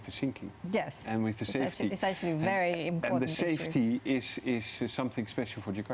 masalah yang terjadi